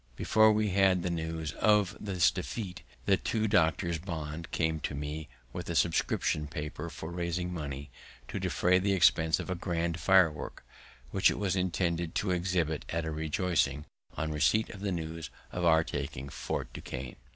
Before we had the news of this defeat, the two Doctors Bond came to me with a subscription paper for raising money to defray the expense of a grand firework, which it was intended to exhibit at a rejoicing on receipt of the news of our taking Fort Duquesne.